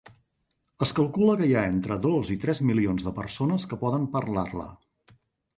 Es calcula que hi ha entre dos i tres milions de persones que poden parlar-la.